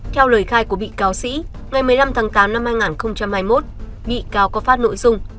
theo lời khai của bị cáo sĩ ngày một mươi năm tháng tám năm hai nghìn hai mươi một bị cáo có phát nội dung